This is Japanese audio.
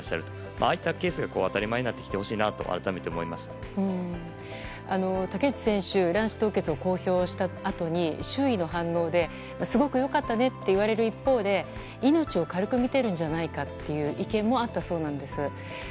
ああいったケースが当たり前になってほしいなと竹内選手は卵子凍結を公表したあとに周囲の反応ですごく良かったねって言われる一方で命を軽く見ているんじゃないかという意見もあったそうなんです。